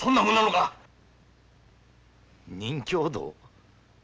任侠道？